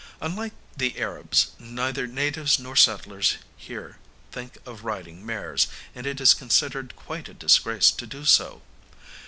Unlike the Arabs, neither natives nor settlers here think of riding mares, and it is considered quite a disgrace to do so.